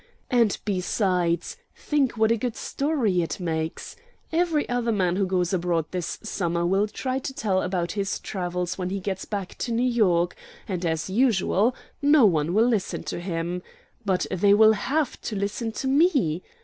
And besides, think what a good story it makes! Every other man who goes abroad this summer will try to tell about his travels when he gets back to New York, and, as usual, no one will listen to him. But they will HAVE to listen to me.